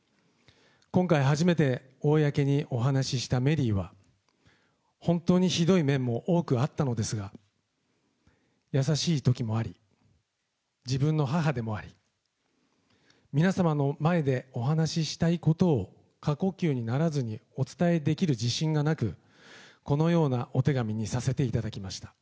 今回初めて公にお話したメリーは、本当にひどい面も多くあったのですが、優しいときもあり、自分の母でもあり、皆様の前でお話したいことを過呼吸にならずにお伝えできる自信がなく、このようなお手紙にさせていただきました。